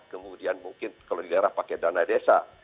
kemudian mungkin kalau di daerah pakai dana desa